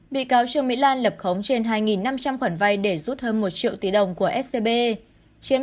bị cáo trương mỹ lan lập khống trên hai năm trăm linh khoản vay để rút hơn một triệu tỷ đồng của scb